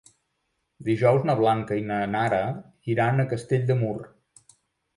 Dijous na Blanca i na Nara iran a Castell de Mur.